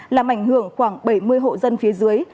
làm ảnh hưởng khoảng bảy mươi hộ dân phía dưới